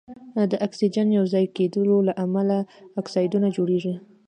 د اکسیجن یو ځای کیدلو له امله اکسایدونه جوړیږي.